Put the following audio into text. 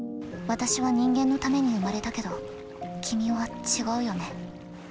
私は人間のために生まれたけど君は違うよね。